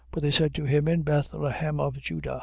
But they said to him: In Bethlehem of Juda.